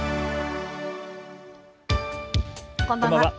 こんばんは。